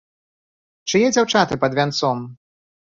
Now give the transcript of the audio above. Чые дзяўчаты пад вянцом?